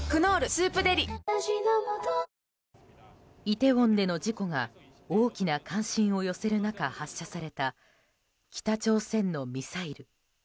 イテウォンでの事故が大きな関心を寄せる中発射された北朝鮮のミサイル。